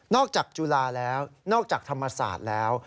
จากจุฬาแล้วนอกจากธรรมศาสตร์แล้ว